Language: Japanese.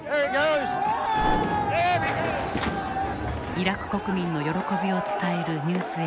イラク国民の喜びを伝えるニュース映像。